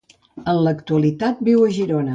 En l'actualitat, viu a Girona.